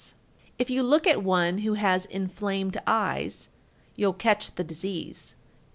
If you look at one who has inflamed eyes, you'll catch the disease.